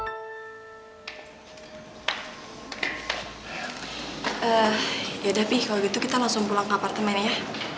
eh ya udah pi kalau gitu kita langsung pulang ke apartemen ini ya